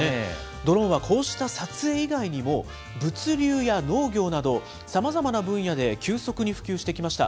ドローンはこうした撮影以外にも、物流や農業など、さまざまな分野で急速に普及してきました。